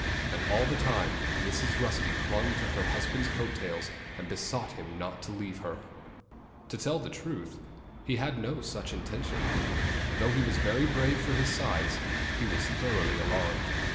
And all the time Mrs. Rusty clung to her husband's coat tails and besought him not to leave her. To tell the truth, he had no such intention. Though he was very brave for his size, he was thoroughly alarmed.